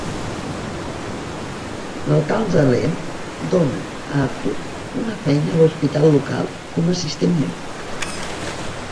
L'alcalde Len dóna a Arthur una feina a l'hospital local com a assistent mèdic.